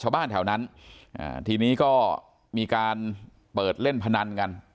ชาวบ้านแถวนั้นอ่าทีนี้ก็มีการเปิดเล่นพนันกัน